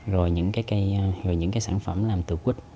rồi những cái sản phẩm làm từ quýt